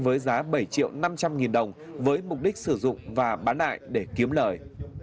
với giá bảy triệu năm trăm linh nghìn đồng với mục đích sử dụng và bán lại để kiếm lời